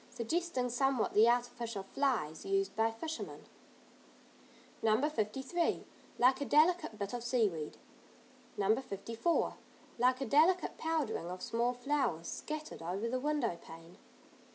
Suggesting somewhat the artificial "flies" used by fishermen. No. 53. Like a delicate bit of seaweed. No. 54. Like a delicate powdering of small flowers, scattered over the window pane.